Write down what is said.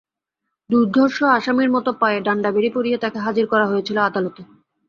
দুর্ধর্ষ আসামির মতো পায়ে ডান্ডা বেড়ি পরিয়ে তাঁকে হাজির করা হয়েছিল আদালতে।